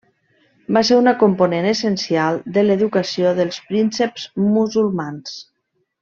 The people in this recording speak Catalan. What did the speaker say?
Va ser una component essencial de l'educació dels prínceps musulmans.